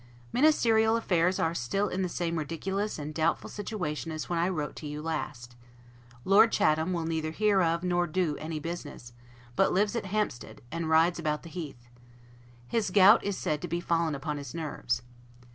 Ministerial affairs are still in the same ridiculous and doubtful situation as when I wrote to you last. Lord Chatham will neither hear of, nor do any business, but lives at Hampstead, and rides about the heath. His gout is said to be fallen upon his nerves.